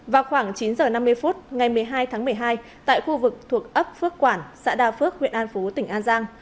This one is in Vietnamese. vào khoảng chín h năm mươi phút ngày một mươi hai tháng một mươi hai tại khu vực thuộc ấp phước quản xã đa phước huyện an phú tỉnh an giang